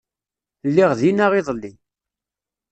Lliɣ dinna iḍelli.